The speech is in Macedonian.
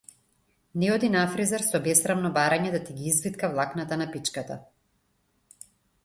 Не оди на фризер со бесрамно барање да ти ги извитка влакната на пичката.